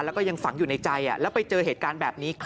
แล้วก็ยังฝังอยู่ในใจแล้วไปเจอเหตุการณ์แบบนี้